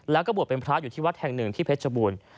แล้วก็บวชเป็นพระอยู่ที่วัดแห่งหนึ่งที่เพชรบูรณ์